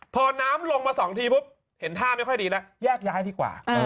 พอน้ำลงมา๒ทีปุ๊บเห็นท่าไม่ค่อยดีแล้วแยกย้ายดีกว่า